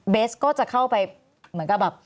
เบสก็จะเข้าไปเหมือนกับแบบ